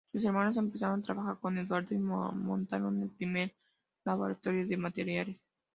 Sus hermanos empezaron a trabajar con Eduardo y montaron el primer laboratorio de materiales.